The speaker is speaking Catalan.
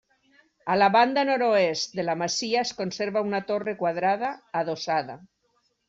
A la banda nord-est de la masia es conserva una torre quadrada adossada.